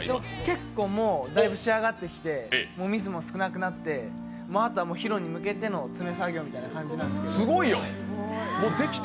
結構、もうだいぶ仕上がってきて、ミスも少なくなってあとは披露に向けての詰め作業みたいな感じなんですけど。